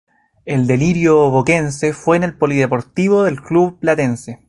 El delirio boquense fue en el Polideportivo del club platense.